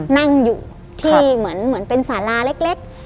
นั่งอยู่ที่เหมือนเป็นสาราเล็ก